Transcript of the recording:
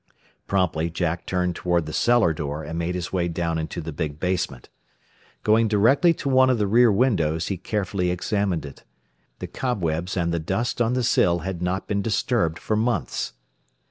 Promptly Jack turned toward the cellar door, and made his way down into the big basement. Going directly to one of the rear windows, he carefully examined it. The cobwebs and the dust on the sill had not been disturbed for months.